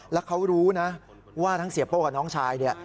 แล้วเขารู้นะว่าทั้งเสียโป้กับน้องชายเนี่ย